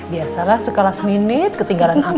biasalah suka lah semenit ketinggalan aku